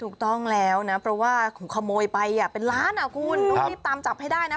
ถูกต้องแล้วนะเพราะว่าขโมยไปเป็นล้านอ่ะคุณต้องรีบตามจับให้ได้นะ